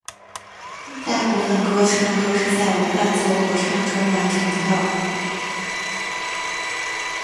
大部分歌唱都是在无伴奏合唱中完成的。